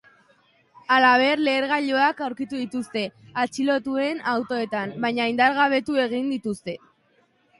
Halaber, lehergailuak aurkitu dituzte atxilotuen autoetan, baina indargabetu egin dituzte.